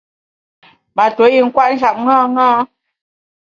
Ma tuo yin kwet njap ṅaṅâ.